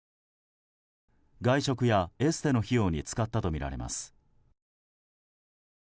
外食や、エステの費用に使ったとみられます。